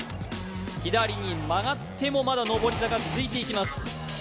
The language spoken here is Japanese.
左に曲がってまだ上り坂続いていきます。